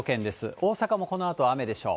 大阪もこのあと、雨でしょう。